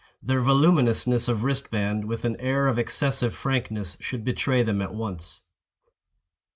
Their voluminousness of wristband, with an air of excessive frankness, should betray them at once.